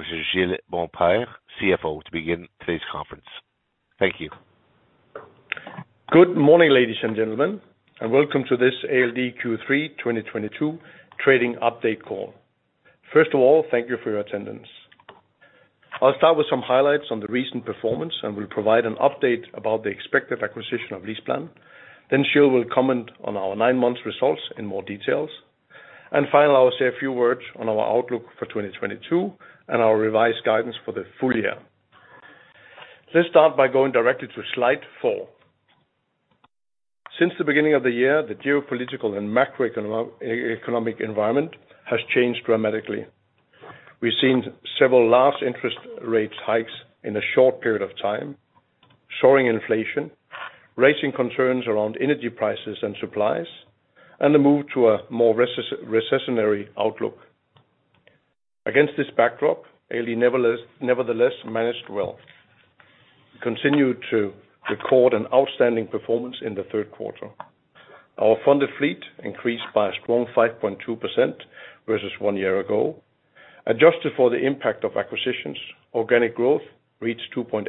Mr. Gilles Momper, CFO, to begin today's conference. Thank you. Good morning, ladies and gentlemen, and welcome to this ALD Q3 2022 trading update call. First of all, thank you for your attendance. I'll start with some highlights on the recent performance and will provide an update about the expected acquisition of LeasePlan. Then Gilles will comment on our nine months results in more details. Finally, I will say a few words on our outlook for 2022 and our revised guidance for the full year. Let's start by going directly to slide four. Since the beginning of the year, the geopolitical and macroeconomic environment has changed dramatically. We've seen several large interest rate hikes in a short period of time, soaring inflation, raising concerns around energy prices and supplies, and a move to a more recessionary outlook. Against this backdrop, ALD nevertheless managed well, continued to record an outstanding performance in the third quarter. Our funded fleet increased by a strong 5.2% versus one year ago. Adjusted for the impact of acquisitions, organic growth reached 2.8%,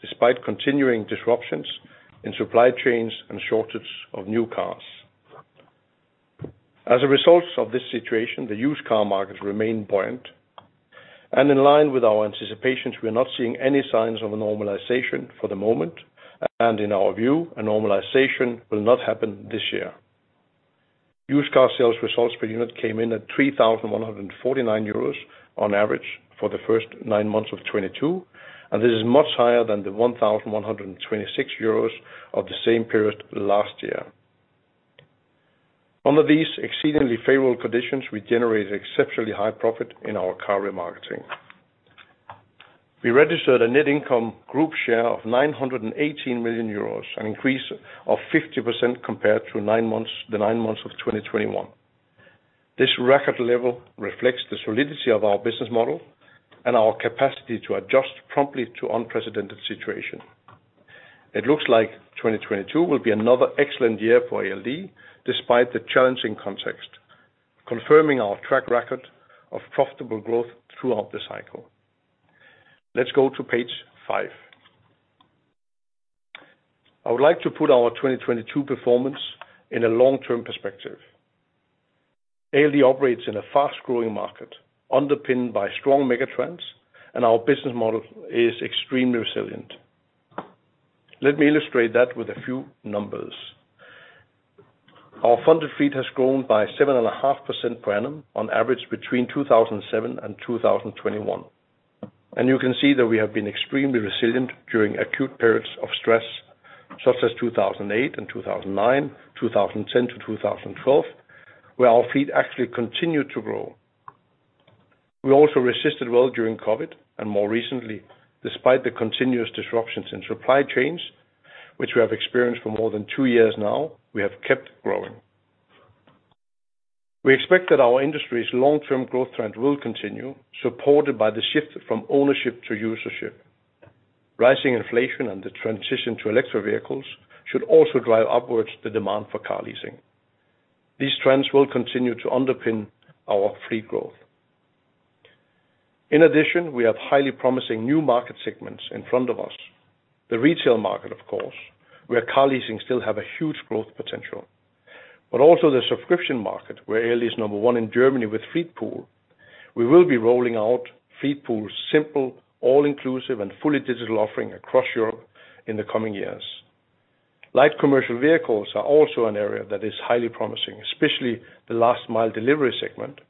despite continuing disruptions in supply chains and shortage of new cars. As a result of this situation, the used car market remained buoyant. In line with our anticipations, we are not seeing any signs of a normalization for the moment. In our view, a normalization will not happen this year. Used car sales results per unit came in at 3,149 euros on average for the first nine months of 2022, and this is much higher than the 1,126 euros of the same period last year. Under these exceedingly favorable conditions, we generated exceptionally high profit in our car remarketing. We registered a net income group share of 918 million euros, an increase of 50% compared to the nine months of 2021. This record level reflects the solidity of our business model and our capacity to adjust promptly to unprecedented situation. It looks like 2022 will be another excellent year for ALD, despite the challenging context, confirming our track record of profitable growth throughout the cycle. Let's go to page five. I would like to put our 2022 performance in a long-term perspective. ALD operates in a fast-growing market underpinned by strong mega trends, and our business model is extremely resilient. Let me illustrate that with a few numbers. Our funded fleet has grown by 7.5% per annum on average between 2007 and 2021. You can see that we have been extremely resilient during acute periods of stress, such as 2008 and 2009, 2010 to 2012, where our fleet actually continued to grow. We also resisted well during COVID, and more recently, despite the continuous disruptions in supply chains, which we have experienced for more than two years now, we have kept growing. We expect that our industry's long-term growth trend will continue, supported by the shift from ownership to usership. Rising inflation and the transition to electric vehicles should also drive upwards the demand for car leasing. These trends will continue to underpin our fleet growth. In addition, we have highly promising new market segments in front of us. The retail market, of course, where car leasing still have a huge growth potential, but also the subscription market, where ALD is number one in Germany with Fleetpool. We will be rolling out Fleetpool's simple, all inclusive and fully digital offering across Europe in the coming years. Light commercial vehicles are also an area that is highly promising, especially the last mile delivery segment.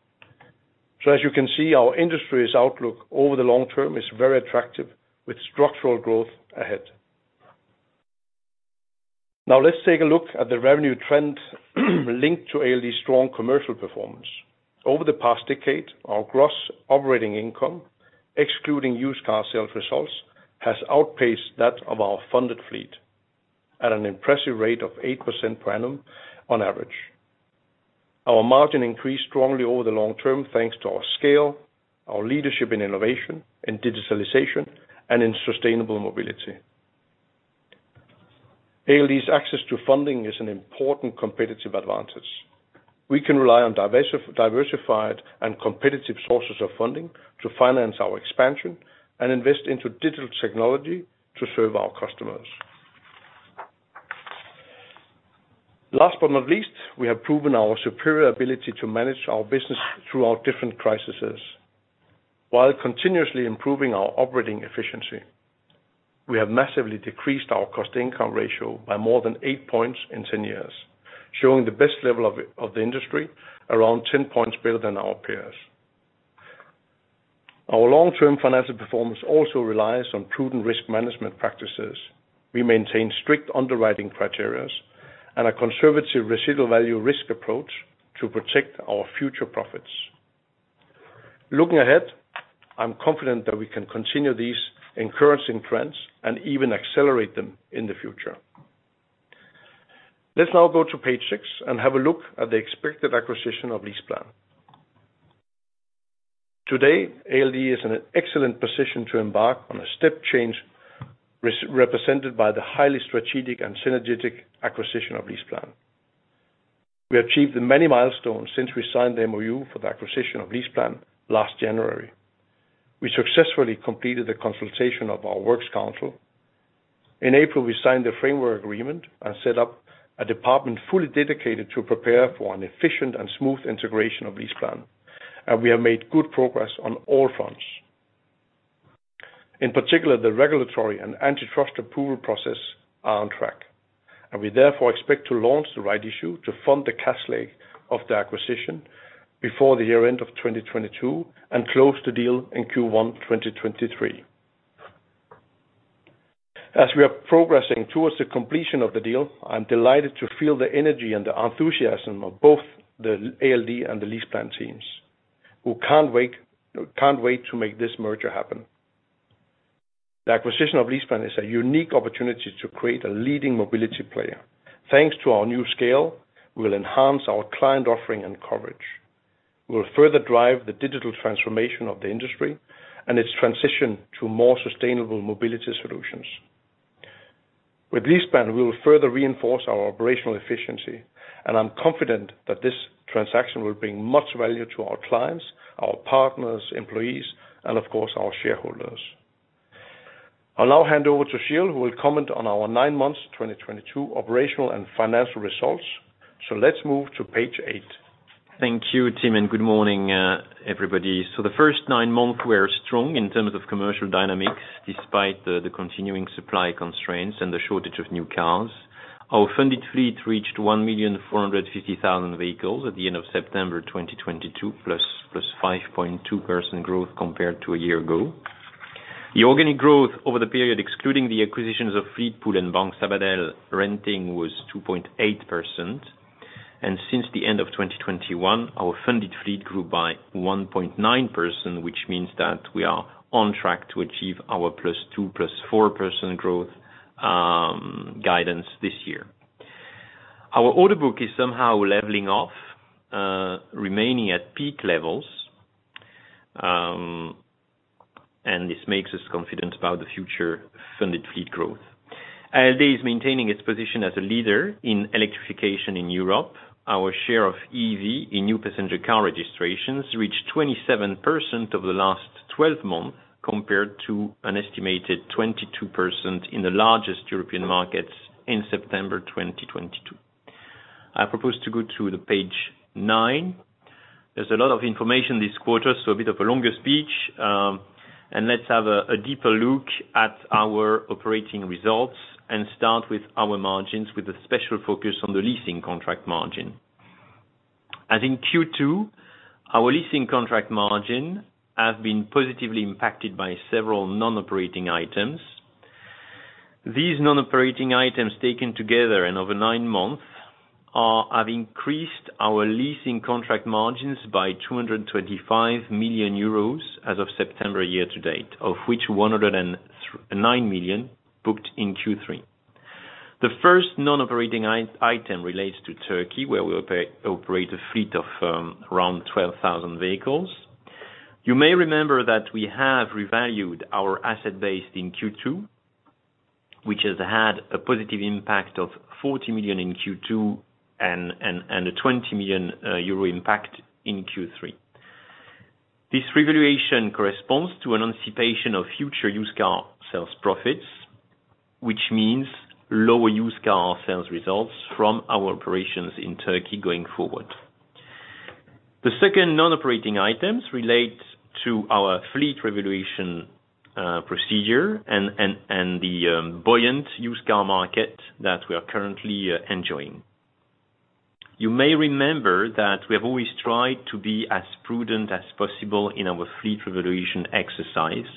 As you can see, our industry's outlook over the long-term is very attractive with structural growth ahead. Now, let's take a look at the revenue trend linked to ALD's strong commercial performance. Over the past decade, our gross operating income, excluding used car sales results, has outpaced that of our funded fleet at an impressive rate of 8% per annum on average. Our margin increased strongly over the long-term, thanks to our scale, our leadership in innovation, in digitalization, and in sustainable mobility. ALD's access to funding is an important competitive advantage. We can rely on diversified and competitive sources of funding to finance our expansion and invest into digital technology to serve our customers. Last but not least, we have proven our superior ability to manage our business throughout different crises while continuously improving our operating efficiency. We have massively decreased our cost income ratio by more than eight points in ten years, showing the best level of the industry around ten points better than our peers. Our long-term financial performance also relies on prudent risk management practices. We maintain strict underwriting criteria and a conservative residual value risk approach to protect our future profits. Looking ahead, I'm confident that we can continue these encouraging trends and even accelerate them in the future. Let's now go to page six and have a look at the expected acquisition of LeasePlan. Today, ALD is in an excellent position to embark on a step change represented by the highly strategic and synergetic acquisition of LeasePlan. We achieved the many milestones since we signed the MOU for the acquisition of LeasePlan last January. We successfully completed the consultation of our works council. In April, we signed the framework agreement and set up a department fully dedicated to prepare for an efficient and smooth integration of LeasePlan, and we have made good progress on all fronts. In particular, the regulatory and antitrust approval process are on track, and we therefore expect to launch the rights issue to fund the cash leg of the acquisition before the year end of 2022 and close the deal in Q1 2023. As we are progressing towards the completion of the deal, I'm delighted to feel the energy and the enthusiasm of both the ALD and the LeasePlan teams who can't wait to make this merger happen. The acquisition of LeasePlan is a unique opportunity to create a leading mobility player. Thanks to our new scale, we will enhance our client offering and coverage. We'll further drive the digital transformation of the industry and its transition to more sustainable mobility solutions. With LeasePlan, we will further reinforce our operational efficiency, and I'm confident that this transaction will bring much value to our clients, our partners, employees, and of course, our shareholders. I'll now hand over to Gilles, who will comment on our nine months 2022 operational and financial results. Let's move to page eight. Thank you, Tim, and good morning, everybody. The first nine months were strong in terms of commercial dynamics, despite the continuing supply constraints and the shortage of new cars. Our funded fleet reached 1,450,000 vehicles at the end of September 2022 +5.2% growth compared to a year ago. The organic growth over the period, excluding the acquisitions of Fleetpool and Banco Sabadell Renting was 2.8%. Since the end of 2021, our funded fleet grew by 1.9%, which means that we are on track to achieve our +2% to +4% growth guidance this year. Our order book is somehow leveling off, remaining at peak levels. This makes us confident about the future funded fleet growth. ALD is maintaining its position as a leader in electrification in Europe. Our share of EV in new passenger car registrations reached 27% over the last 12 months, compared to an estimated 22% in the largest European markets in September 2022. I propose to go to page nine. There's a lot of information this quarter, so a bit of a longer speech, and let's have a deeper look at our operating results and start with our margins with a special focus on the leasing contract margin. As in Q2, our leasing contract margin has been positively impacted by several non-operating items. These non-operating items taken together and over nine months have increased our leasing contract margins by 225 million euros as of September year to date, of which 109 million booked in Q3. The first non-operating item relates to Turkey, where we operate a fleet of around 12,000 vehicles. You may remember that we have revalued our asset base in Q2, which has had a positive impact of 40 million in Q2 and a 20 million euro impact in Q3. This revaluation corresponds to an anticipation of future used car sales profits, which means lower used car sales results from our operations in Turkey going forward. The second non-operating items relate to our fleet revaluation procedure and the buoyant used car market that we are currently enjoying. You may remember that we have always tried to be as prudent as possible in our fleet revaluation exercise,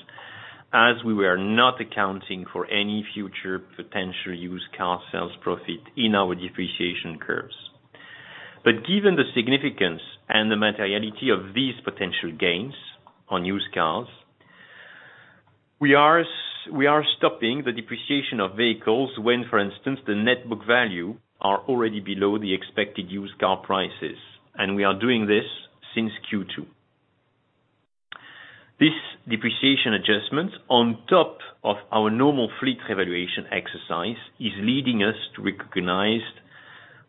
as we were not accounting for any future potential used car sales profit in our depreciation curves. Given the significance and the materiality of these potential gains on used cars, we are stopping the depreciation of vehicles when, for instance, the net book value are already below the expected used car prices, and we are doing this since Q2. This depreciation adjustment on top of our normal fleet revaluation exercise is leading us to recognize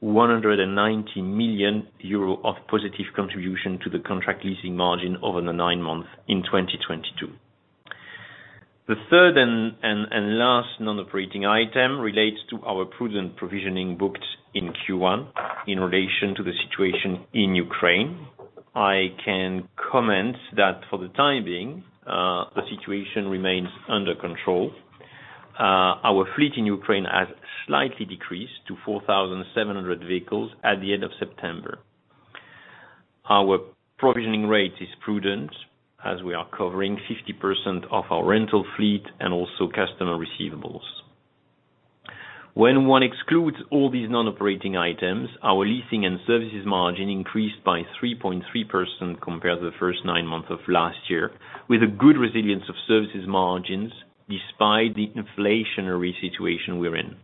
190 million euro of positive contribution to the contract leasing margin over the nine months in 2022. The third and last non-operating item relates to our prudent provisioning booked in Q1 in relation to the situation in Ukraine. I can comment that for the time being, the situation remains under control. Our fleet in Ukraine has slightly decreased to 4,700 vehicles at the end of September. Our provisioning rate is prudent as we are covering 50% of our rental fleet and also customer receivables. When one excludes all these non-operating items, our leasing and services margin increased by 3.3% compared to the first nine months of last year, with a good resilience of services margins despite the inflationary situation we're in.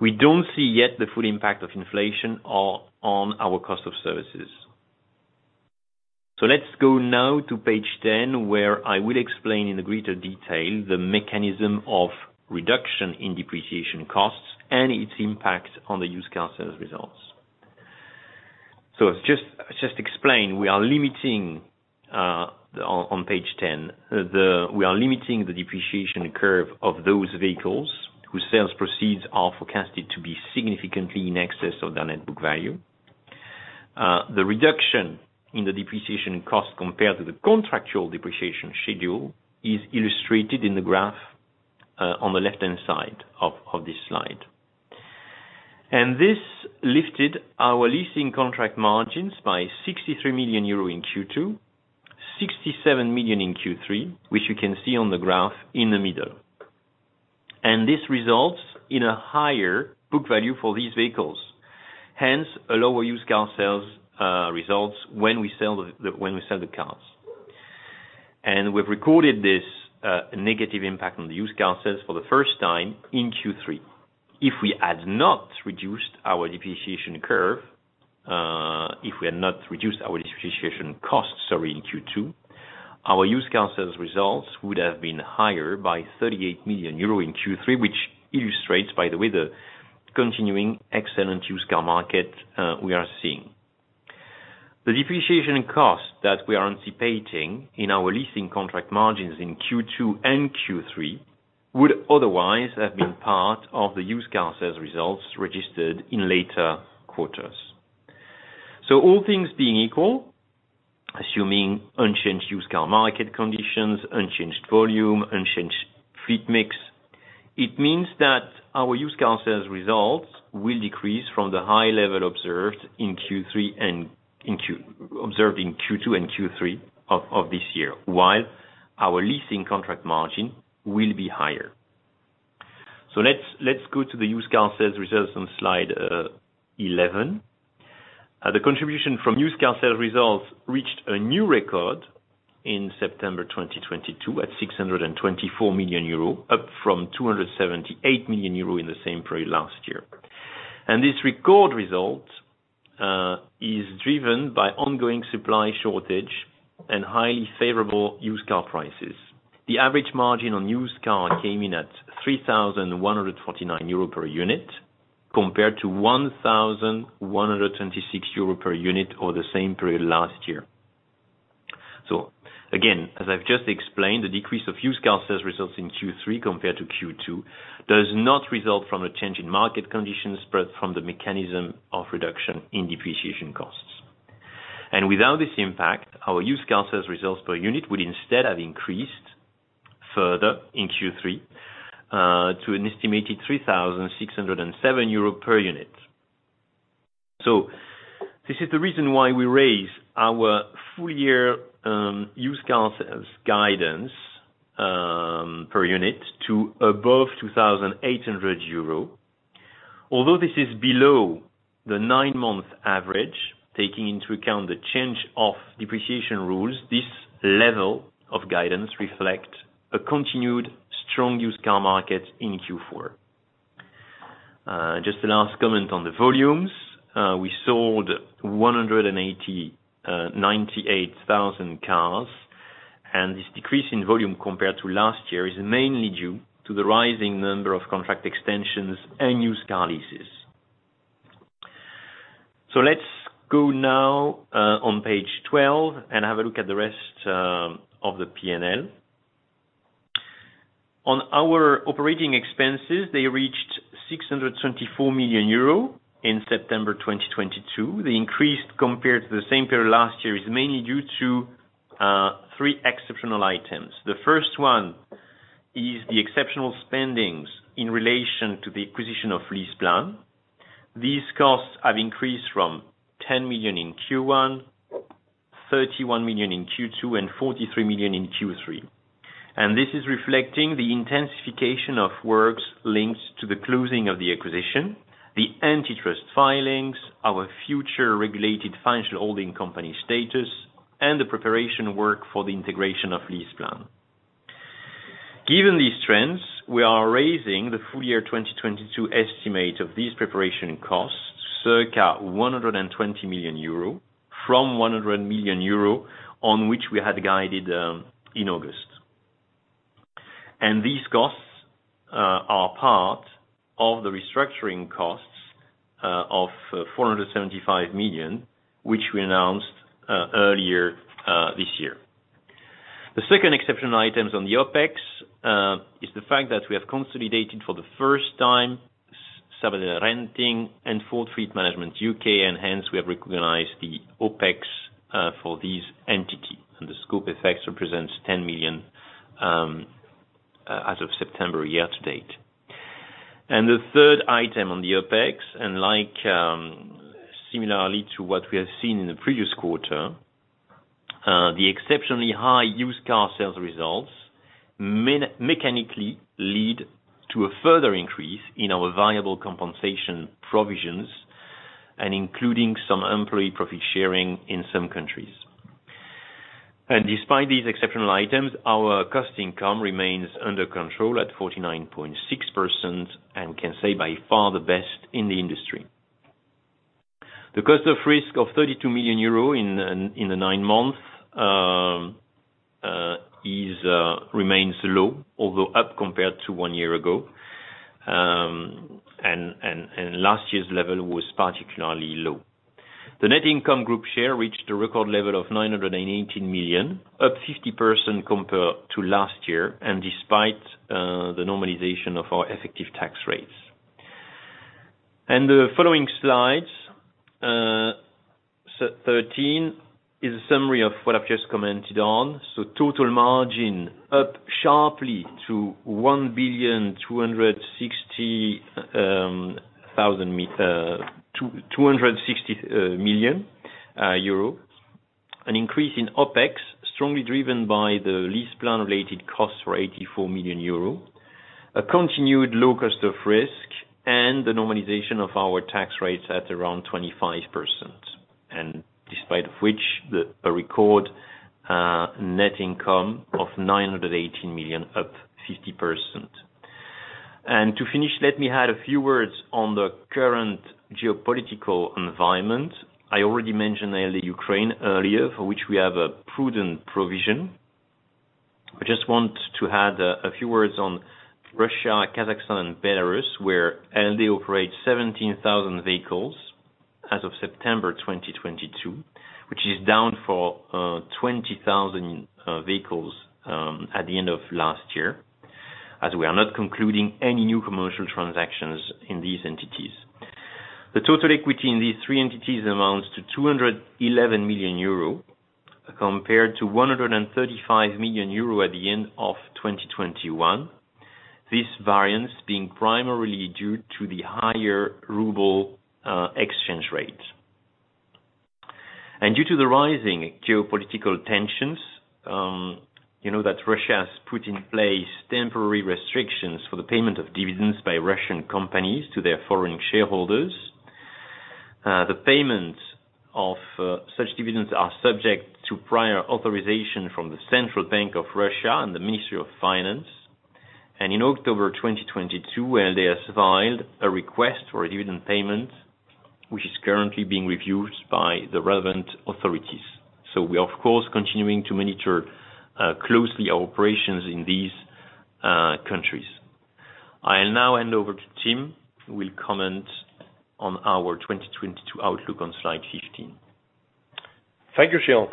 We don't see yet the full impact of inflation on our cost of services. Let's go now to page 10, where I will explain in greater detail the mechanism of reduction in depreciation costs and its impact on the used car sales results. Just explain, we are limiting on page 10 the depreciation curve of those vehicles whose sales proceeds are forecasted to be significantly in excess of their net book value. The reduction in the depreciation cost compared to the contractual depreciation schedule is illustrated in the graph on the left-hand side of this slide. This lifted our leasing contract margins by 63 million euro in Q2, 67 million in Q3, which you can see on the graph in the middle. This results in a higher book value for these vehicles. Hence, a lower used car sales results when we sell the cars. We've recorded this negative impact on the used car sales for the first time in Q3. If we had not reduced our depreciation curve, if we had not reduced our depreciation cost, sorry, in Q2, our used car sales results would have been higher by 38 million euro in Q3, which illustrates, by the way, the continuing excellent used car market we are seeing. The depreciation cost that we are anticipating in our leasing contract margins in Q2 and Q3 would otherwise have been part of the used car sales results registered in later quarters. All things being equal, assuming unchanged used car market conditions, unchanged volume, unchanged fleet mix, it means that our used car sales results will decrease from the high level observed in Q2 and Q3 of this year, while our leasing contract margin will be higher. Let's go to the used car sales results on slide 11. The contribution from used car sales results reached a new record in September 2022, at 624 million euro, up from 278 million euro in the same period last year. This record result is driven by ongoing supply shortage and highly favorable used car prices. The average margin on used car came in at 3,149 euro per unit, compared to 1,126 euro per unit for the same period last year. Again, as I've just explained, the decrease of used car sales results in Q3 compared to Q2 does not result from a change in market conditions, but from the mechanism of reduction in depreciation costs. Without this impact, our used car sales results per unit would instead have increased further in Q3 to an estimated 3,607 euros per unit. This is the reason why we raise our full year used car sales guidance per unit to above 2,800 euro. Although this is below the nine-month average, taking into account the change of depreciation rules, this level of guidance reflect a continued strong used car market in Q4. Just the last comment on the volumes. We sold 189,000 cars, and this decrease in volume compared to last year is mainly due to the rising number of contract extensions and used car leases. Let's go now on page 12 and have a look at the rest of the P&L. On our operating expenses, they reached 624 million euro in September 2022. The increase compared to the same period last year is mainly due to three exceptional items. The first one is the exceptional spending in relation to the acquisition of LeasePlan. These costs have increased from 10 million in Q1, 31 million in Q2, and 43 million in Q3. This is reflecting the intensification of works linked to the closing of the acquisition, the antitrust filings, our future regulated financial holding company status, and the preparation work for the integration of LeasePlan. Given these trends, we are raising the full year 2022 estimate of these preparation costs, circa 120 million euro from 100 million euro on which we had guided in August. These costs are part of the restructuring costs of 475 million, which we announced earlier this year. The second exceptional items on the OpEx is the fact that we have consolidated for the first time Sabadell Renting and Ford Fleet Management UK, and hence we have recognized the OpEx for these entities. The scope effects represent 10 million as of September year to date. The third item on the OpEx, like, similarly to what we have seen in the previous quarter, the exceptionally high used car sales results mechanically lead to a further increase in our variable compensation provisions including some employee profit sharing in some countries. Despite these exceptional items, our cost income remains under control at 49.6%, and we can say by far the best in the industry. The cost of risk of 32 million euro in the nine months is remains low, although up compared to one year ago, and last year's level was particularly low. The net income group share reached a record level of 918 million, up 50% compared to last year and despite the normalization of our effective tax rates. The following slide thirteen is a summary of what I've just commented on. Total margin up sharply to EUR 1.260 billion. An increase in OpEx, strongly driven by the LeasePlan related costs for 84 million euro, a continued low cost of risk and the normalization of our tax rates at around 25%. Despite which, a record net income of 918 million, up 50%. To finish, let me add a few words on the current geopolitical environment. I already mentioned ALD Ukraine earlier, for which we have a prudent provision. I just want to add a few words on Russia, Kazakhstan, and Belarus, where ALD operates 17,000 vehicles as of September 2022, which is down from 20,000 vehicles at the end of last year, as we are not concluding any new commercial transactions in these entities. The total equity in these three entities amounts to 211 million euro, compared to 135 million euro at the end of 2021. This variance being primarily due to the higher ruble exchange rate. Due to the rising geopolitical tensions, you know that Russia has put in place temporary restrictions for the payment of dividends by Russian companies to their foreign shareholders. The payment of such dividends are subject to prior authorization from the Central Bank of Russia and the Ministry of Finance. In October 2022, ALD has filed a request for a dividend payment, which is currently being reviewed by the relevant authorities. We are of course continuing to monitor closely our operations in these countries. I'll now hand over to Tim, who will comment on our 2022 outlook on slide 15. Thank you, Gilles.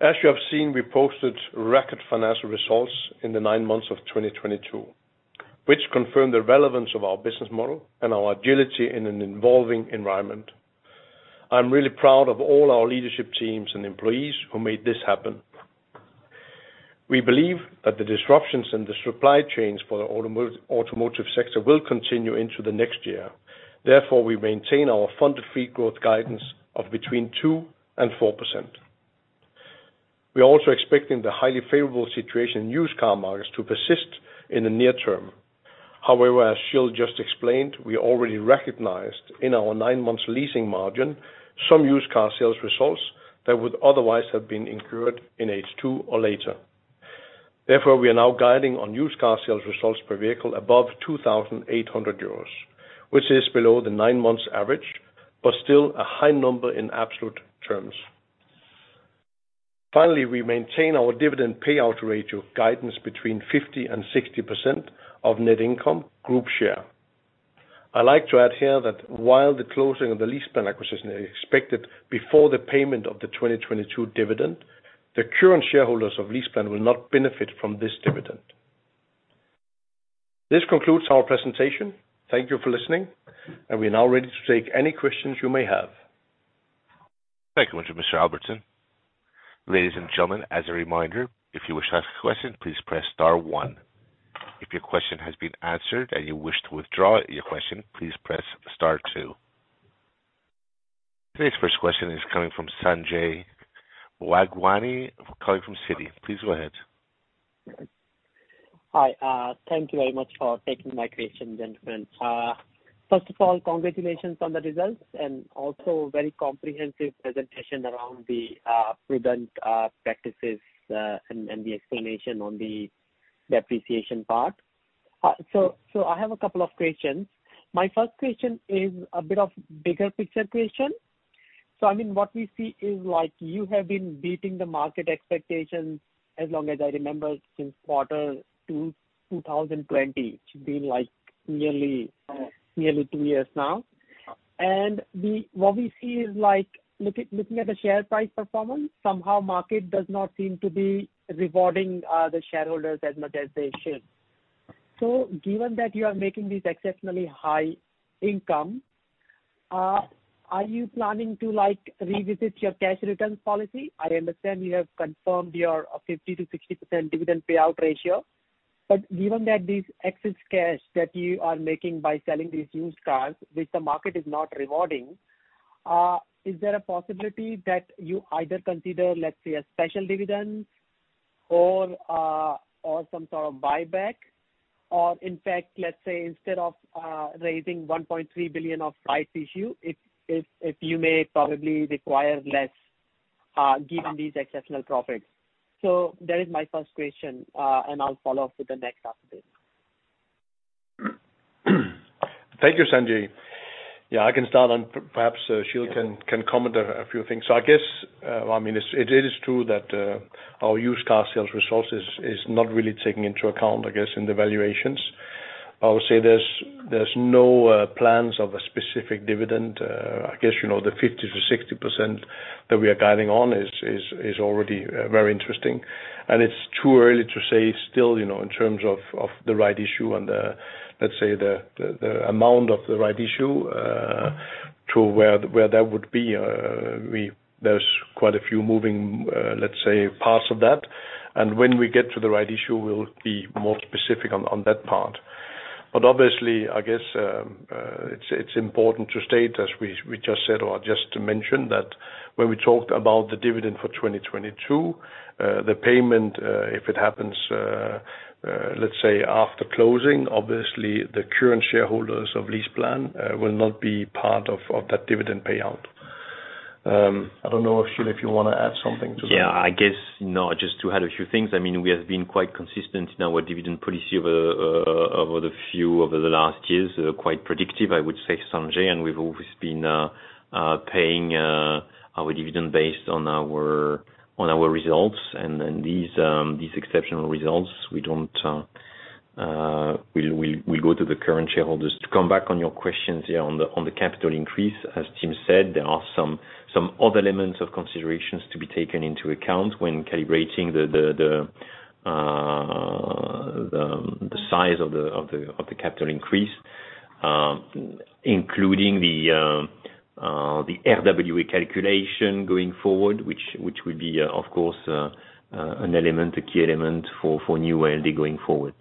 As you have seen, we posted record financial results in the nine months of 2022, which confirmed the relevance of our business model and our agility in an evolving environment. I'm really proud of all our leadership teams and employees who made this happen. We believe that the disruptions in the supply chains for the automotive sector will continue into the next year. Therefore, we maintain our funded fleet growth guidance of between 2% and 4%. We are also expecting the highly favorable situation in used car markets to persist in the near-term. However, as Gilles just explained, we already recognized in our nine months leasing margin, some used car sales results that would otherwise have been incurred in H2 or later. Therefore, we are now guiding on used car sales results per vehicle above 2,800 euros, which is below the 9 months average, but still a high number in absolute terms. Finally, we maintain our dividend payout ratio guidance between 50% and 60% of net income group share. I like to add here that while the closing of the LeasePlan acquisition is expected before the payment of the 2022 dividend, the current shareholders of LeasePlan will not benefit from this dividend. This concludes our presentation. Thank you for listening, and we are now ready to take any questions you may have. Thank you much, Mr. Albertsen. Ladies and gentlemen, as a reminder, if you wish to ask a question, please press star one. If your question has been answered and you wish to withdraw your question, please press star two. Today's first question is coming from Sanjay Bhagwani calling from Citi. Please go ahead. Hi, thank you very much for taking my question, gentlemen. First of all, congratulations on the results and also very comprehensive presentation around the prudent practices and the explanation on the depreciation part. I have a couple of questions. My first question is a bit of bigger picture question. I mean, what we see is like you have been beating the market expectations as long as I remember since Q2 2020, which been like nearly two years now. What we see is like, looking at the share price performance, somehow market does not seem to be rewarding the shareholders as much as they should. Given that you are making these exceptionally high income, are you planning to like revisit your cash returns policy? I understand you have confirmed your 50%-60% dividend payout ratio, but given that this excess cash that you are making by selling these used cars, which the market is not rewarding, is there a possibility that you either consider, let's say, a special dividend or some sort of buyback, or in fact, let's say instead of raising 1.3 billion of rights issue, if you may probably require less, given these exceptional profits. That is my first question. I'll follow-up with the next after this. Thank you, Sanjay. Yeah, I can start, and perhaps Gilles can comment a few things. I guess, I mean, it is true that our used car sales resources is not really taking into account, I guess, in the valuations. I would say there's no plans of a specific dividend. I guess, you know, the 50%-60% that we are guiding on is already very interesting. It's too early to say still, you know, in terms of the rights issue and let's say the amount of the rights issue to where that would be. There's quite a few moving, let's say, parts of that. When we get to the rights issue, we'll be more specific on that part. Obviously, I guess, it's important to state, as we just said or just to mention, that when we talked about the dividend for 2022, the payment, if it happens, let's say after closing, obviously the current shareholders of LeasePlan will not be part of that dividend payout. I don't know if, Gilles, if you wanna add something to that. Yeah. I guess, you know, just to add a few things. I mean, we have been quite consistent in our dividend policy over the last few years, quite predictive, I would say, Sanjay. We've always been paying our dividend based on our results. Then these exceptional results, we go to the current shareholders. To come back on your questions, yeah, on the capital increase, as Tim said, there are some other elements of considerations to be taken into account when calibrating the size of the capital increase, including the RWA calculation going forward, which will be, of course, a key element for New ALD going forward.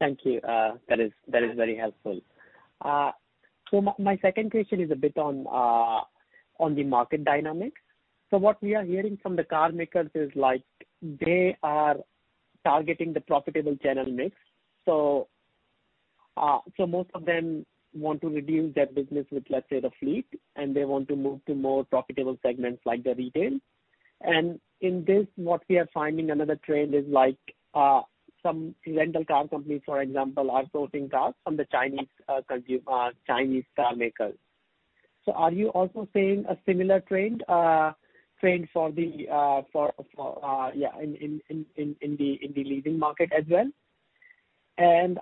Thank you. That is very helpful. My second question is a bit on the market dynamics. What we are hearing from the car makers is, like, they are targeting the profitable channel mix. Most of them want to reduce their business with, let's say, the fleet, and they want to move to more profitable segments like the retail. In this, what we are finding another trend is, like, some rental car companies, for example, are sourcing cars from the Chinese car makers. Are you also seeing a similar trend in the leading market as well?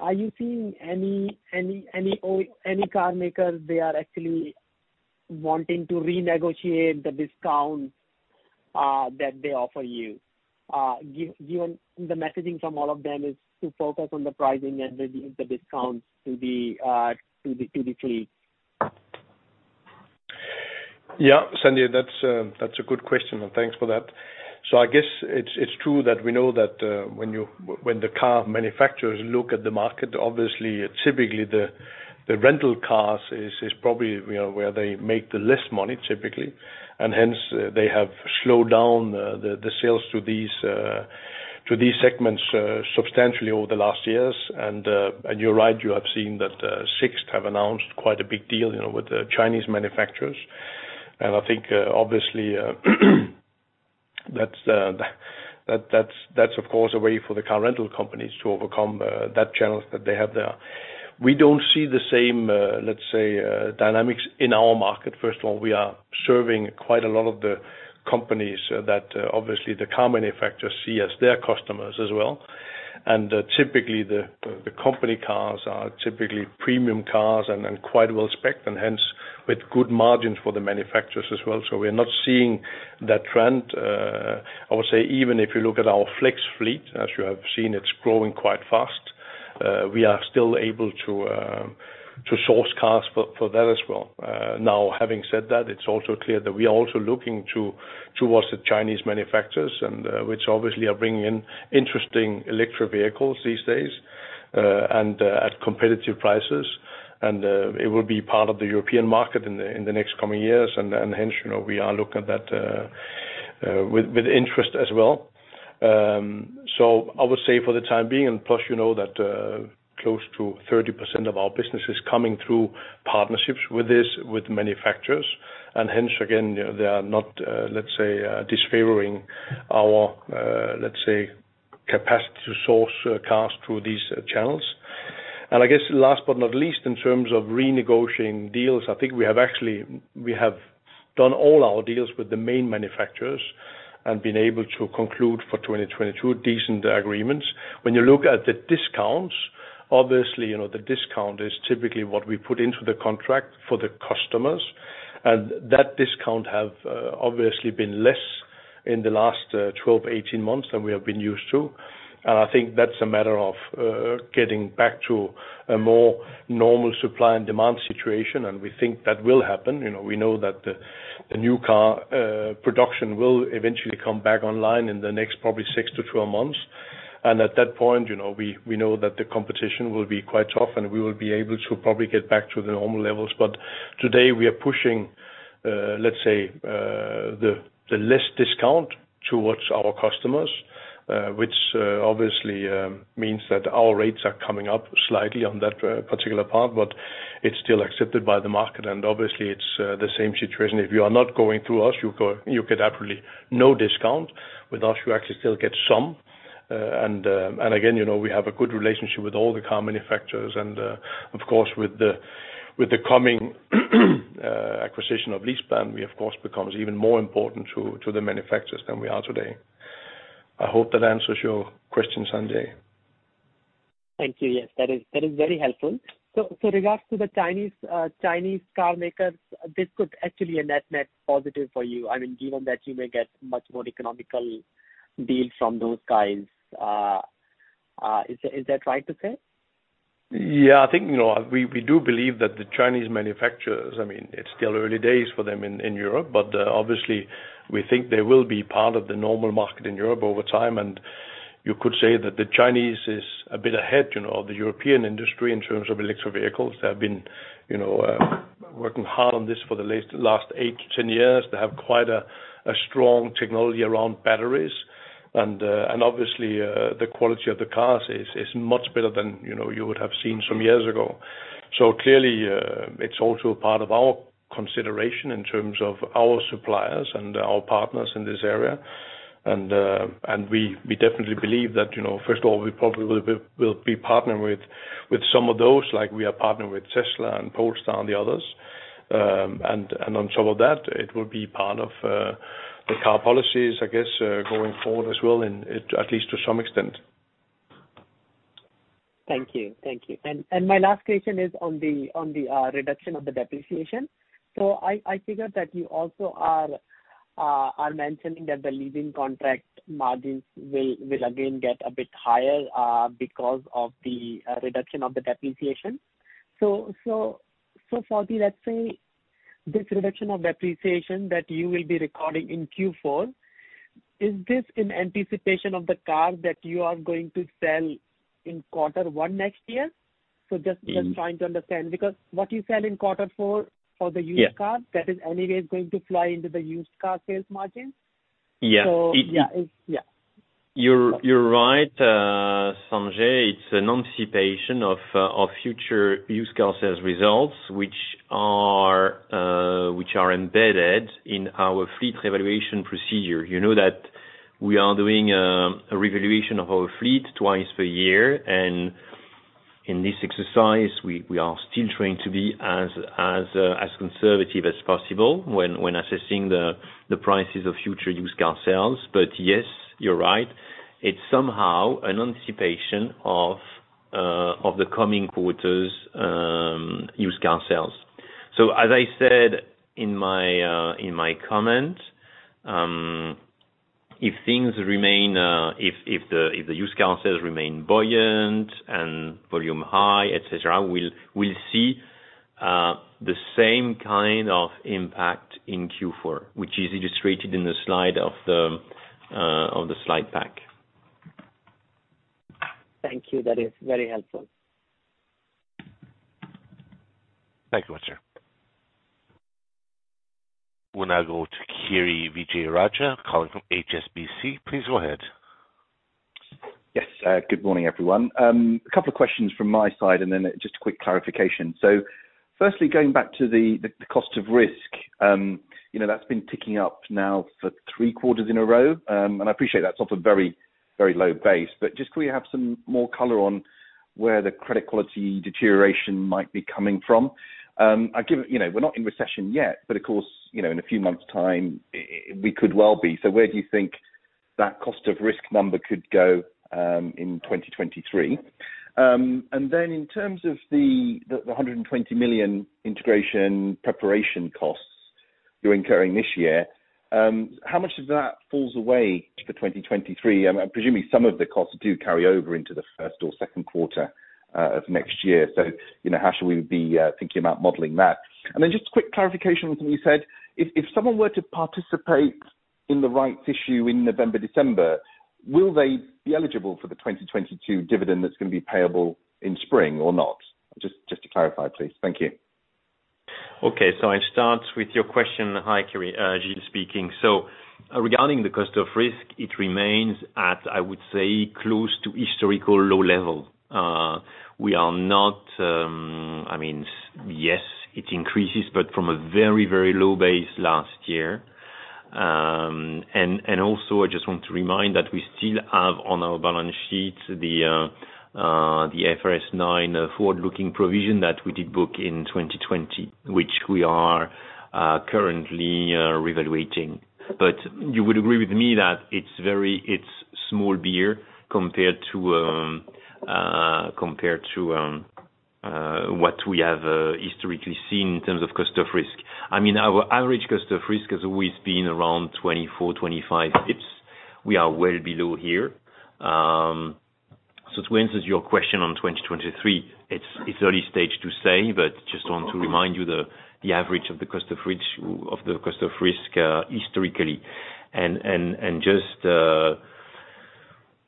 Are you seeing any car makers they are actually wanting to renegotiate the discount that they offer you given the messaging from all of them is to focus on the pricing and reduce the discounts to the fleet? Yeah. Sanjay, that's a good question, and thanks for that. I guess it's true that we know that when the car manufacturers look at the market, obviously, typically the rental cars is probably, you know, where they make the least money typically, and hence they have slowed down the sales to these segments substantially over the last years. You're right, you have seen that Sixt have announced quite a big deal, you know, with the Chinese manufacturers. I think, obviously, that's of course a way for the car rental companies to overcome that challenge that they have there. We don't see the same, let's say, dynamics in our market. First of all, we are serving quite a lot of the companies that obviously the car manufacturers see as their customers as well. Typically the company cars are typically premium cars and quite well specced, and hence, with good margins for the manufacturers as well. We're not seeing that trend. I would say even if you look at our Flex fleet, as you have seen, it's growing quite fast. We are still able to source cars for that as well. Now, having said that, it's also clear that we are also looking towards the Chinese manufacturers and which obviously are bringing in interesting electric vehicles these days, and at competitive prices. It will be part of the European market in the next coming years. Hence, you know, we are looking at that with interest as well. I would say for the time being, and plus, you know that close to 30% of our business is coming through partnerships with manufacturers. Hence again, you know, they are not, let's say, disfavoring our, let's say, capacity to source cars through these channels. I guess last but not least, in terms of renegotiating deals, I think we have actually done all our deals with the main manufacturers and been able to conclude for 2022 decent agreements. When you look at the discounts, obviously, you know, the discount is typically what we put into the contract for the customers, and that discount have obviously been less in the last 12-18 months than we have been used to. I think that's a matter of getting back to a more normal supply and demand situation, and we think that will happen. You know, we know that the new car production will eventually come back online in the next probably 6-12 months. At that point, you know, we know that the competition will be quite tough, and we will be able to probably get back to the normal levels. Today we are pushing, let's say, the less discount towards our customers, which obviously means that our rates are coming up slightly on that particular part, but it's still accepted by the market. Obviously it's the same situation. If you are not going through us, you get absolutely no discount. With us, you actually still get some. Again, you know, we have a good relationship with all the car manufacturers and, of course, with the coming acquisition of LeasePlan, we of course becomes even more important to the manufacturers than we are today. I hope that answers your question, Sanjay. Thank you. Yes, that is very helpful. Regards to the Chinese car makers, this could actually a net-net positive for you. I mean, given that you may get much more economical deals from those guys. Is that right to say? Yeah, I think, you know, we do believe that the Chinese manufacturers, I mean, it's still early days for them in Europe, but obviously we think they will be part of the normal market in Europe over time. You could say that the Chinese is a bit ahead, you know, of the European industry in terms of electric vehicles. They have been, you know, working hard on this for the last 8-10 years. They have quite a strong technology around batteries and obviously the quality of the cars is much better than, you know, you would have seen some years ago. Clearly it's also part of our consideration in terms of our suppliers and our partners in this area. We definitely believe that, you know, first of all, we probably will be partnering with some of those, like we are partnering with Tesla and Polestar and the others. On top of that, it will be part of the car policies, I guess, going forward as well, at least to some extent. Thank you. My last question is on the reduction of the depreciation. I figured that you also are mentioning that the leasing contract margins will again get a bit higher because of the reduction of the depreciation. Faustin, let's say this reduction of depreciation that you will be recording in Q4, is this in anticipation of the cars that you are going to sell in quarter one next year? Just. Mm-hmm. Just trying to understand, because what you sell in quarter four for the used cars. Yeah. That is anyway going to flow into the used car sales margin. Yeah. Yeah, it's, yeah. You're right, Sanjay. It's an anticipation of future used car sales results, which are embedded in our fleet valuation procedure. You know that we are doing a revaluation of our fleet twice per year, and in this exercise we are still trying to be as conservative as possible when assessing the prices of future used car sales. But yes, you're right. It's somehow an anticipation of the coming quarters' used car sales. As I said in my comment, if the used car sales remain buoyant and volume high, et cetera, we'll see the same kind of impact in Q4, which is illustrated in the slide of the slide pack. Thank you. That is very helpful. Thank you much, sir. We'll now go to Kiri Vijayarajah calling from HSBC. Please go ahead. Yes. Good morning, everyone. A couple of questions from my side and then just a quick clarification. Firstly, going back to the cost of risk, you know, that's been ticking up now for three quarters in a row. I appreciate that's off a very, very low base, but just could we have some more color on where the credit quality deterioration might be coming from? I get it, you know, we're not in recession yet, but of course, you know, in a few months' time, we could well be. Where do you think that cost of risk number could go in 2023? Then in terms of the 120 million integration preparation costs you're incurring this year, how much of that falls away in 2023? Presumably some of the costs do carry over into the first or second quarter of next year. You know, how should we be thinking about modeling that? Just quick clarification on something you said. If someone were to participate in the rights issue in November, December, will they be eligible for the 2022 dividend that's gonna be payable in spring or not? Just to clarify, please. Thank you. Okay. I start with your question. Hi, Kiri, Gilles speaking. Regarding the cost of risk, it remains at, I would say, close to historical low level. We are not, I mean, yes, it increases, but from a very, very low base last year. Also, I just want to remind that we still have on our balance sheet the IFRS 9 forward-looking provision that we did book in 2020, which we are currently reevaluating. But you would agree with me that it's very small beer compared to what we have historically seen in terms of cost of risk. I mean, our average cost of risk has always been around 24, 25 bps. We are well below here. To answer your question on 2023, it's early to say, but just want to remind you the average of the cost of risk historically. Just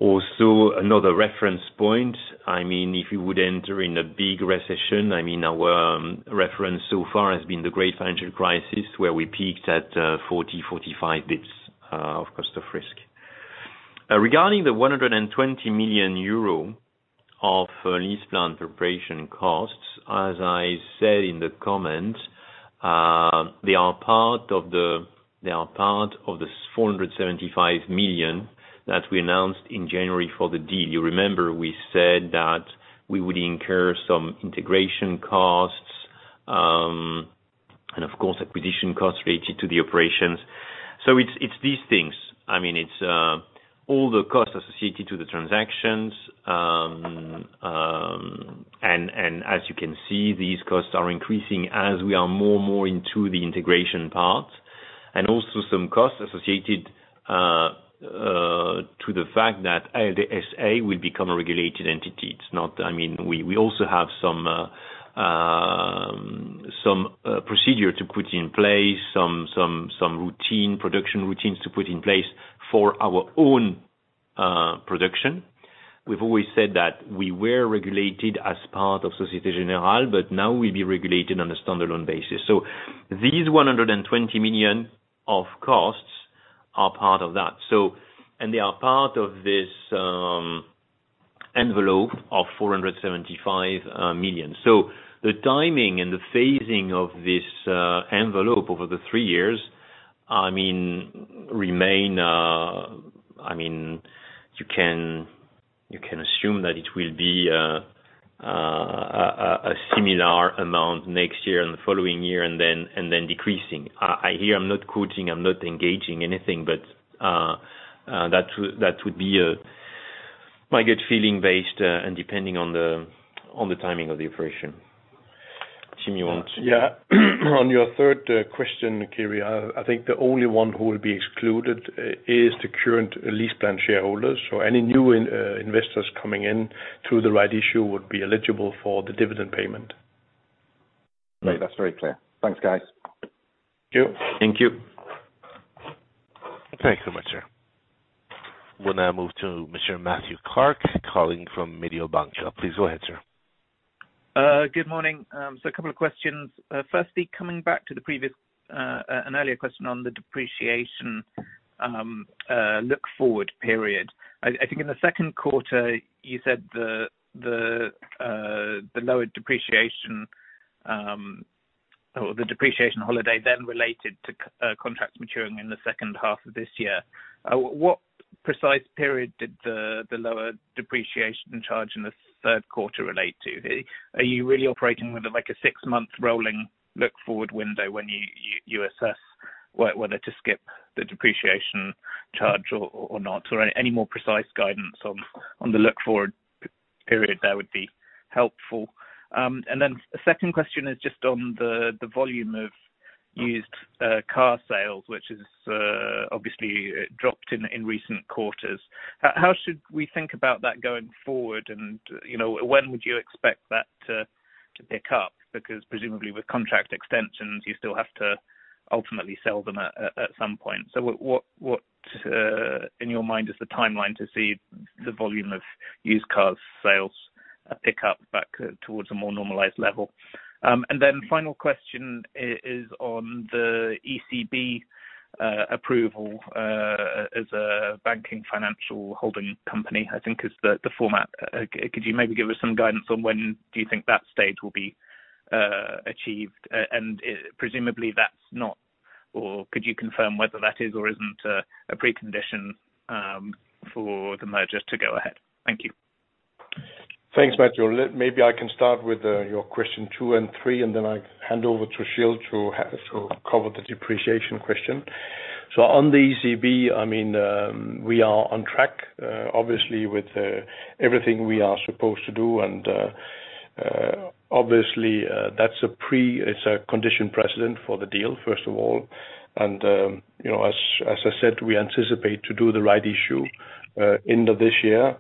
also another reference point. I mean, if you would enter in a big recession, I mean, our reference so far has been the great financial crisis where we peaked at 40-45 bps of cost of risk. Regarding the 120 million euro of LeasePlan preparation costs, as I said in the comment, they are part of the 475 million that we announced in January for the deal. You remember we said that we would incur some integration costs, and of course, acquisition costs related to the operations. It's these things. I mean, it's all the costs associated to the transactions, and as you can see, these costs are increasing as we are more and more into the integration part, and also some costs associated to the fact that ALD SA will become a regulated entity. I mean, we also have some procedure to put in place, some production routines to put in place for our own production. We've always said that we were regulated as part of Société Générale, but now we'll be regulated on a standalone basis. These 120 million of costs are part of that. And they are part of this envelope of 475 million. The timing and the phasing of this envelope over the three years remain. I mean, you can assume that it will be a similar amount next year and the following year and then decreasing. I hear I'm not quoting, I'm not engaging anything, but that would be a good feeling based and depending on the timing of the operation. Tim, you want to. Yeah. On your third question, Kiri, I think the only one who will be excluded is the current LeasePlan shareholders. Any new investors coming in through the rights issue would be eligible for the dividend payment. Great. That's very clear. Thanks, guys. Thank you. Thank you. Thanks so much, sir. We'll now move to Mr. Matthew Clark calling from Mediobanca. Please go ahead, sir. Good morning. A couple of questions. Coming back to the previous, an earlier question on the depreciation, look forward period. I think in the second quarter you said the lower depreciation, or the depreciation holiday then related to contracts maturing in the second half of this year. What precise period did the lower depreciation charge in the third quarter relate to? Are you really operating with like a six-month rolling look forward window when you assess whether to skip the depreciation charge or not? Or any more precise guidance on the look forward period there would be helpful. Second question is just on the volume of used car sales, which has obviously dropped in recent quarters. How should we think about that going forward? You know, when would you expect that to pick up? Because presumably with contract extensions, you still have to ultimately sell them at some point. So what in your mind is the timeline to see the volume of used cars sales pick up back towards a more normalized level? And then final question is on the ECB approval as a banking financial holding company, I think is the format. Could you maybe give us some guidance on when do you think that stage will be achieved? And presumably that's not, or could you confirm whether that is or isn't a precondition for the merger to go ahead? Thank you. Thanks, Matthew. Maybe I can start with your question two and three, and then I hand over to Gilles to cover the depreciation question. On the ECB, I mean, we are on track obviously with everything we are supposed to do. Obviously, that's a condition precedent for the deal, first of all. You know, as I said, we anticipate to do the rights issue end of this year,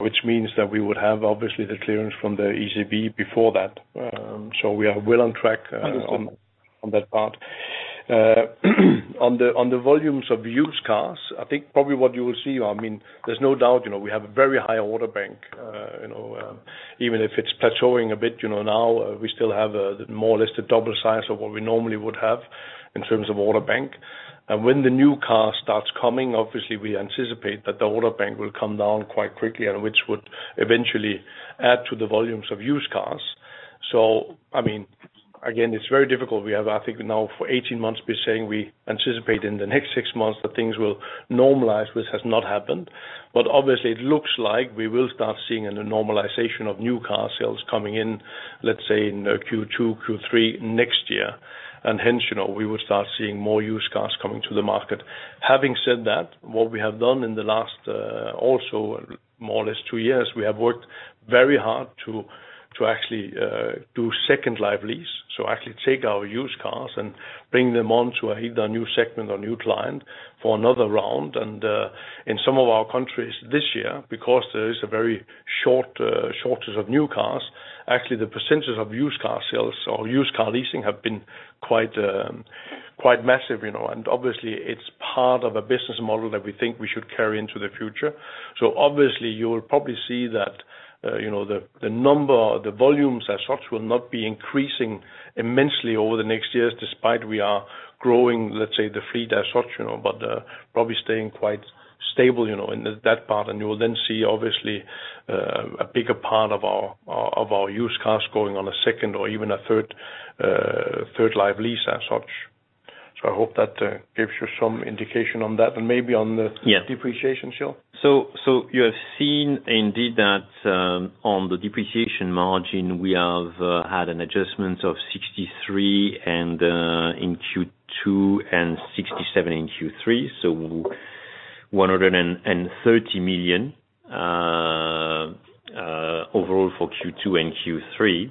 which means that we would have obviously the clearance from the ECB before that. We are well on track. Wonderful. On that part. On the volumes of used cars, I think probably what you will see, I mean, there's no doubt, you know, we have a very high order book, you know, even if it's plateauing a bit, you know, now, we still have, more or less the double size of what we normally would have in terms of order book. When the new car starts coming, obviously we anticipate that the order book will come down quite quickly and which would eventually add to the volumes of used cars. I mean, again, it's very difficult. We have, I think now for 18 months we're saying we anticipate in the next 6 months that things will normalize, which has not happened. Obviously it looks like we will start seeing a normalization of new car sales coming in, let's say in Q2, Q3 next year. Hence, you know, we will start seeing more used cars coming to the market. Having said that, what we have done in the last, also more or less two years, we have worked very hard to actually do second life lease. So actually take our used cars and bring them on to either a new segment or new client for another round. In some of our countries this year, because there is a very short shortage of new cars, actually, the percentage of used car sales or used car leasing have been quite massive, you know. Obviously it's part of a business model that we think we should carry into the future. Obviously you will probably see that, you know, the number or the volumes as such will not be increasing immensely over the next years, despite we are growing, let's say, the fleet as such, you know, but probably staying quite stable, you know, in that part. You will then see, obviously, a bigger part of our used cars going on a second or even a third life lease as such. I hope that gives you some indication on that and maybe on the Yeah. depreciation, Gilles? You have seen indeed that on the depreciation margin, we have had an adjustment of 63 million in Q2 and 67 million in Q3, so 130 million overall for Q2 and Q3.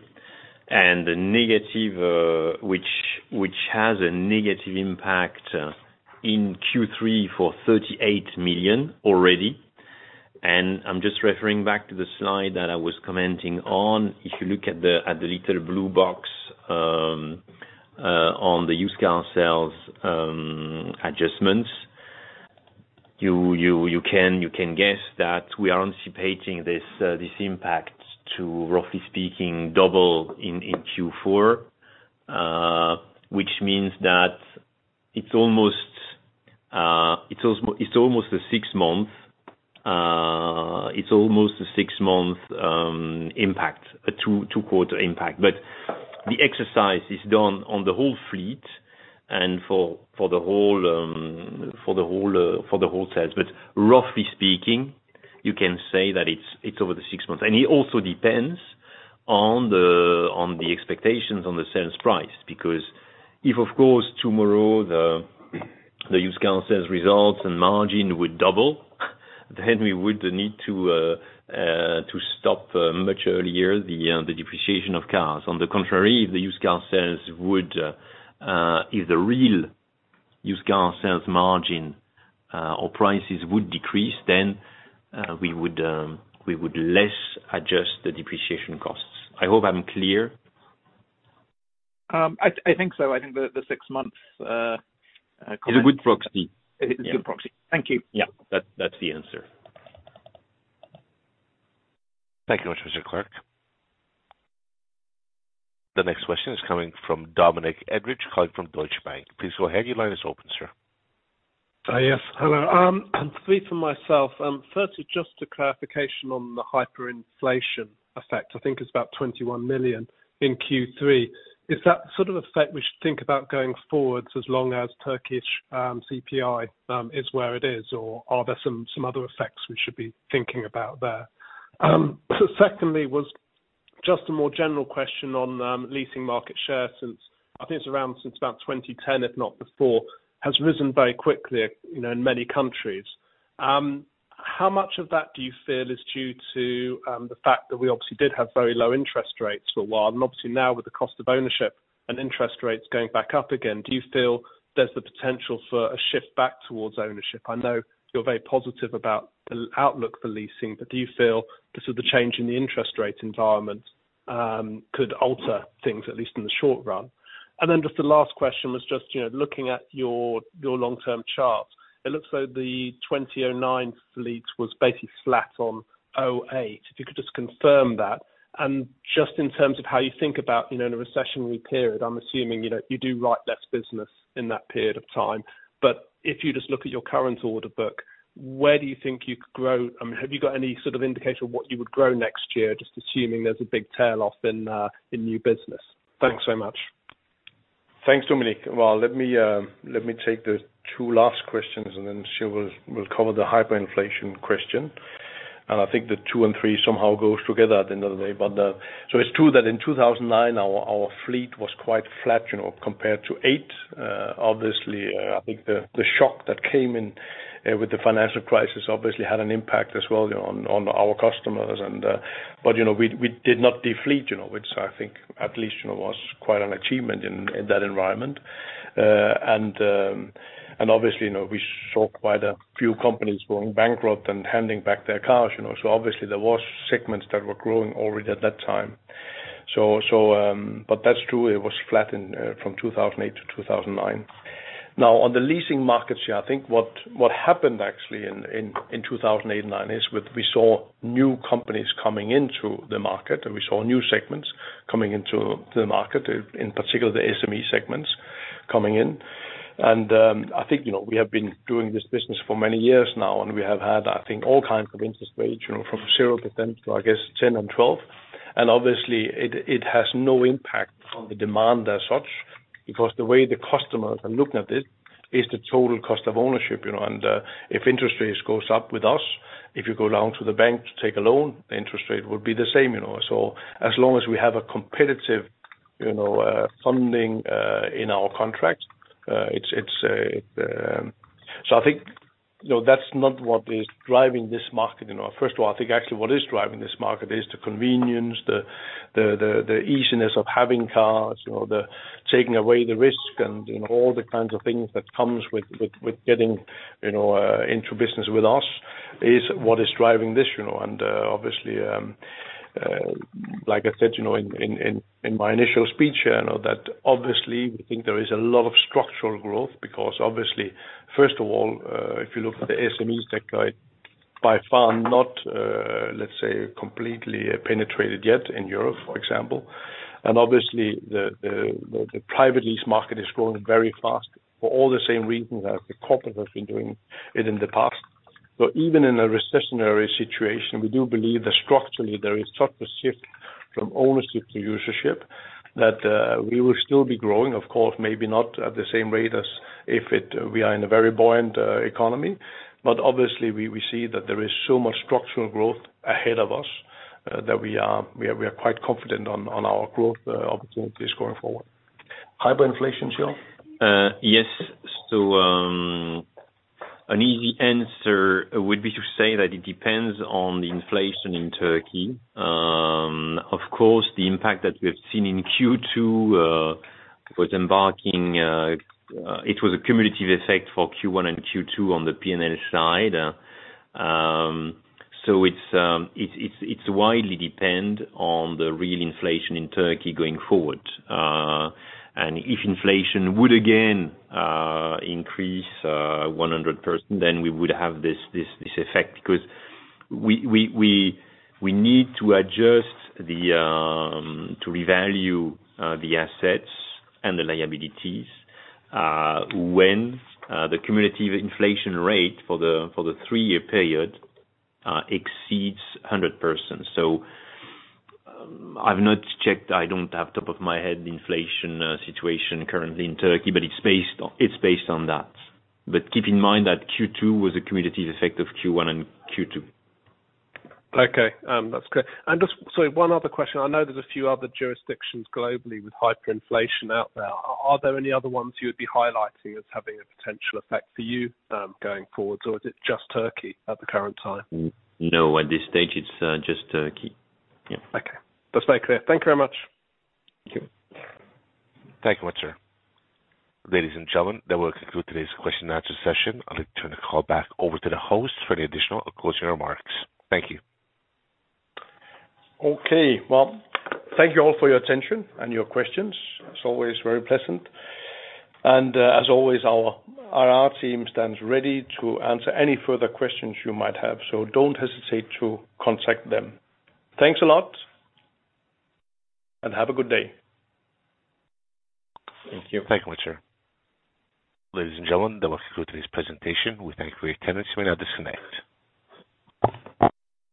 The negative which has a negative impact in Q3 for 38 million already. I'm just referring back to the slide that I was commenting on. If you look at the little blue box on the used car sales adjustments, you can guess that we are anticipating this impact to roughly speaking double in Q4. Which means that it's almost a six-month impact, a two-quarter impact. The exercise is done on the whole fleet and for the whole sales. Roughly speaking, you can say that it's over the six months. It also depends on the expectations on the sales price. Because if, of course, tomorrow the used car sales results and margin would double, then we would need to stop much earlier the depreciation of cars. On the contrary, if the real used car sales margin or prices would decrease, then we would less adjust the depreciation costs. I hope I'm clear. I think so. I think the six month comment. Is a good proxy. Is a good proxy. Yeah. Thank you. Yeah. That, that's the answer. Thank you very much, Mr. Clark. The next question is coming from Dominic Edridge calling from Deutsche Bank. Please go ahead. Your line is open, sir. Yes. Hello. Three for myself. First is just a clarification on the hyperinflation effect. I think it's about 21 million in Q3. Is that the sort of effect we should think about going forwards as long as Turkish CPI is where it is? Or are there some other effects we should be thinking about there? Secondly was just a more general question on leasing market share, since I think it's around since about 2010, if not before, has risen very quickly, you know, in many countries. How much of that do you feel is due to the fact that we obviously did have very low interest rates for a while? Obviously now with the cost of ownership and interest rates going back up again, do you feel there's the potential for a shift back towards ownership? I know you're very positive about the outlook for leasing, but do you feel the sort of change in the interest rate environment could alter things, at least in the short run? Then just the last question was just, you know, looking at your long-term charts, it looks like the 2009 fleet was basically flat on 2008. If you could just confirm that. Just in terms of how you think about, you know, in a recessionary period, I'm assuming, you know, you do write less business in that period of time. If you just look at your current order book, where do you think you could grow? I mean, have you got any sort of indication of what you would grow next year, just assuming there's a big tail off in in new business? Thanks so much. Thanks, Dominic. Well, let me take the two last questions, and then Gilles will cover the hyperinflation question. I think the two and three somehow goes together at the end of the day. It's true that in 2009 our fleet was quite flat, you know, compared to 2008. Obviously, I think the shock that came in with the financial crisis obviously had an impact as well, you know, on our customers. You know, we did not Defleet, you know, which I think at least, you know, was quite an achievement in that environment. Obviously, you know, we saw quite a few companies going bankrupt and handing back their cars, you know. Obviously there was segments that were growing already at that time. That's true, it was flat from 2008 to 2009. Now, on the leasing market share, I think what happened actually in 2008 and 2009 is we saw new companies coming into the market and we saw new segments coming into the market, in particular the SME segments coming in. I think, you know, we have been doing this business for many years now, and we have had, I think, all kinds of interest rates, you know, from 0% to, I guess, 10 and 12. Obviously it has no impact on the demand as such, because the way the customers are looking at it is the total cost of ownership, you know. If interest rates goes up with us, if you go down to the bank to take a loan, the interest rate would be the same, you know. As long as we have a competitive, you know, funding in our contracts, it's. No, that's not what is driving this market. You know, first of all, I think actually what is driving this market is the convenience, the easiness of having cars, you know, the taking away the risk and, you know, all the kinds of things that comes with getting, you know, into business with us is what is driving this, you know. Obviously, like I said, you know, in my initial speech, you know, that obviously we think there is a lot of structural growth because obviously, first of all, if you look at the SMEs, they're by far not, let's say, completely penetrated yet in Europe, for example. Obviously the private lease market is growing very fast for all the same reasons as the corporate has been doing it in the past. But even in a recessionary situation, we do believe that structurally there is such a shift from ownership to usership that we will still be growing. Of course, maybe not at the same rate as if we are in a very buoyant economy. Obviously we see that there is so much structural growth ahead of us, that we are quite confident on our growth opportunities going forward. Hyperinflation, Gilles? Yes. An easy answer would be to say that it depends on the inflation in Turkey. Of course, the impact that we have seen in Q2 was a cumulative effect for Q1 and Q2 on the P&L side. It's widely depend on the real inflation in Turkey going forward. If inflation would again increase 100%, then we would have this effect because we need to revalue the assets and the liabilities when the cumulative inflation rate for the three-year period exceeds 100%. I've not checked. I don't have off the top of my head the inflation situation currently in Turkey, but it's based on that. Keep in mind that Q2 was a cumulative effect of Q1 and Q2. Okay. That's clear. Just sorry, one other question. I know there's a few other jurisdictions globally with hyperinflation out there. Are there any other ones you would be highlighting as having a potential effect for you, going forward, or is it just Turkey at the current time? No, at this stage it's just Turkey. Yeah. Okay. That's very clear. Thank you very much. Thank you. Thank you much, sir. Ladies and gentlemen, that will conclude today's question and answer session. I'll now turn the call back over to the host for any additional closing remarks. Thank you. Okay. Well, thank you all for your attention and your questions. As always, very pleasant. as always, our IR team stands ready to answer any further questions you might have, so don't hesitate to contact them. Thanks a lot, and have a good day. Thank you. Thank you much, sir. Ladies and gentlemen, that will conclude today's presentation. We thank you for your attendance. You may now disconnect.